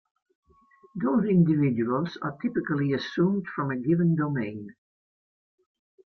Those individuals are typically assumed from a given domain.